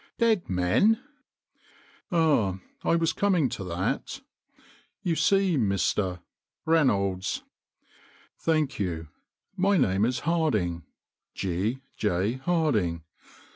" Dead men ?" "Ah, I was coming to that. You see Mr. ?" "Reynolds." " Thank you, my name is Harding G. J. Harding.